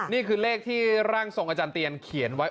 นี่คือเลขที่ร่างทรงอาจารย์เตียนเขียนไว้